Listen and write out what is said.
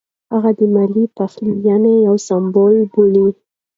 هغه د ملي پخلاینې یو سمبول بولي.